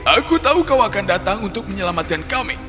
aku tahu kau akan datang untuk menyelamatkan kami